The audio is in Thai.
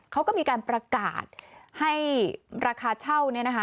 เขาก็มีการประกาศให้ราคาเช่า